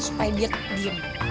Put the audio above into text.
supaya dia diam